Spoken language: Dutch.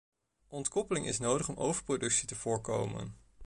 Ontkoppeling is nodig om overproductie te voorkomen.